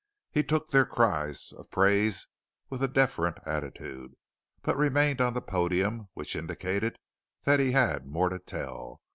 He took their cries of praise with a deferent attitude, but remained on the podium, which indicated that he had more to tell.